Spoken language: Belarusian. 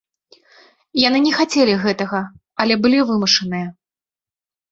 Яны не хацелі гэтага, але былі вымушаныя.